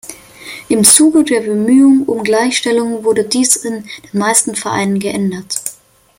Im Zuge der Bemühungen um Gleichstellung wurde dies in den meisten Vereinen geändert.